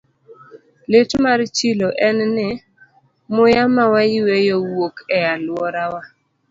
Lit mar chilo en ni, muya ma wayueyo wuok e alworawa.